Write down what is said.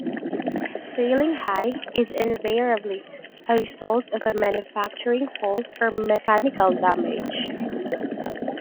Failing high is invariably a result of a manufacturing fault or mechanical damage.